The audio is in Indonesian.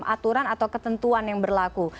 aturan atau ketentuan yang berlaku